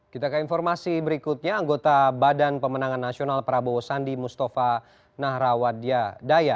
kita ke informasi berikutnya anggota badan pemenangan nasional prabowo sandi mustafa nahrawadiadaya